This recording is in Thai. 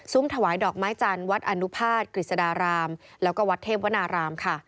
ถวายดอกไม้จันทร์วัดอนุภาษณกฤษฎารามแล้วก็วัดเทพวนารามค่ะ